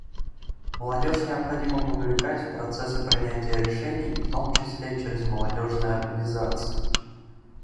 Молодежь необходимо вовлекать в процессы принятия решений, в том числе через молодежные организации.